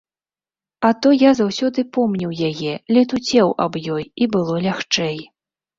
А то я заўсёды помніў яе, летуцеў аб ёй, і было лягчэй.